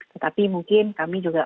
tetapi mungkin kami juga